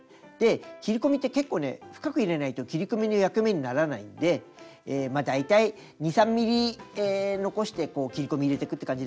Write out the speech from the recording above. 切り込みって結構ね深く入れないと切り込みの役目にならないんで大体２３ｍｍ残して切り込み入れてくって感じです。